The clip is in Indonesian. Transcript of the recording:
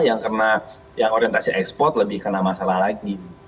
yang orientasi ekspor lebih kena masalah lagi